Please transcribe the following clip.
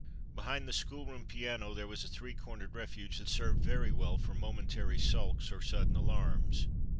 Behind the schoolroom piano there was a three cornered refuge that served very well for momentary sulks or sudden alarms.